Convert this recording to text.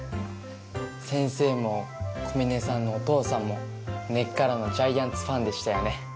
先生も小峰さんのお父さんも根っからのジャイアンツファンでしたよね。